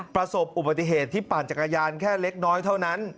ประสบอุบัติเหตุที่ปั่นจักรยานแค่เล็กน้อยเท่านั้น